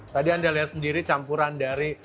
tadi anda lihat sendiri campuran dari